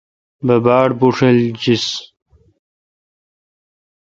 بہ باڑ بھوݭل جس۔